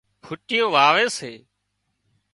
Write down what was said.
ڦُوٽيون واوي سي